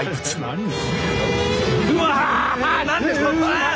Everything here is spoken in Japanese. うわ！